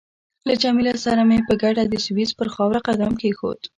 له جميله سره مې په ګډه د سویس پر خاوره قدم کېښود.